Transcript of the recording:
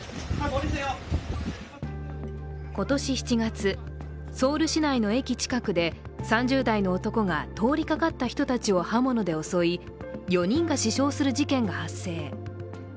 今年７月、ソウル市内の駅近くで３０代の男が通りかかった人たちを刃物で襲い４人が死傷する事件が発生。